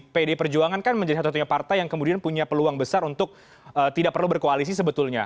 pdi perjuangan kan menjadi satu satunya partai yang kemudian punya peluang besar untuk tidak perlu berkoalisi sebetulnya